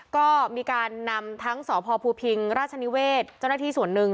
ก็มีการนำทั้งสพภูพิงราชนิเวศเจ้าหน้าที่ส่วนหนึ่ง